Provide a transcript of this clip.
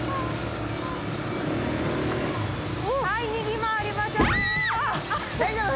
はい右回りましょう。